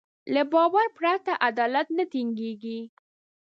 له باور پرته عدالت نه ټينګېږي.